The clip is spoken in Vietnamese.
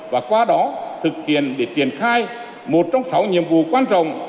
và qua đó thực hiện để triển khai một trong sáu nhiệm vụ quan trọng